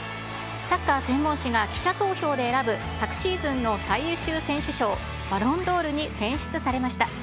サッカー専門誌が記者投票で選ぶ、昨シーズンの最優秀選手賞、バロンドールに選出されました。